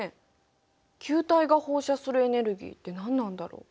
球体が放射するエネルギーって何なんだろう？